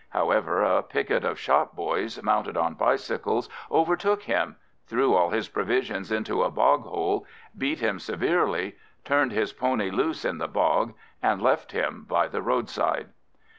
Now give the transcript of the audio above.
However, a picket of shop boys, mounted on bicycles, overtook him, threw all his provisions into a bog hole, beat him severely, turned his pony loose in the bog, and left him by the roadside.